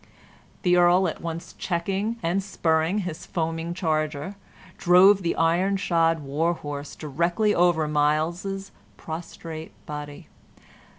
The earl, at once checking and spurring his foaming charger, drove the iron shod war horse directly over Myles's prostrate body.